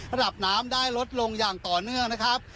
ระดับน้ำได้ลดลงอย่างต่อเนื่องนะครับ